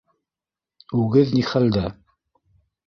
Үгеҙ ни хәлдә?